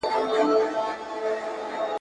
زما په غزل کي لکه شمع هره شپه لګېږې ..